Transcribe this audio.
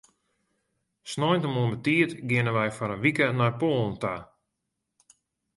Sneintemoarn betiid geane wy foar in wike nei Poalen ta.